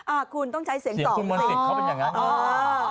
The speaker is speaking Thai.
อ่าคุณต้องใช้เสียงต่อเสียงคุณมนติกเขาเป็นอย่างนั้นอ่า